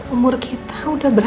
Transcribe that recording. umur kita udah berat